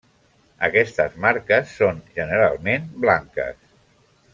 Aquestes marques són, generalment, blanques.